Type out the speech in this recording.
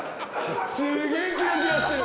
すげぇキラキラしてる。